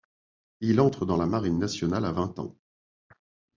Il entre dans la Marine nationale à vingt ans.